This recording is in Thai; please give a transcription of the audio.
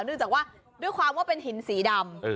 เนื่องจากว่าด้วยความว่าเป็นหินสีดำ